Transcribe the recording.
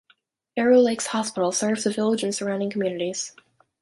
Arrow Lakes Hospital serves the village and surrounding communities.